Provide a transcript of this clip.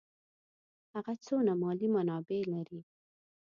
هغه څونه مالي منابع لري.